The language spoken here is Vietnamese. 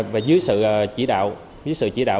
và dưới sự chỉ đạo